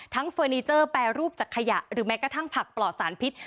เฟอร์นิเจอร์แปรรูปจากขยะหรือแม้กระทั่งผักปลอดสารพิษ